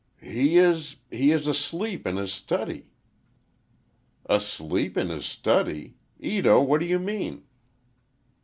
"He is—he is asleep in his study." "Asleep in his study! Ito, what do you mean?"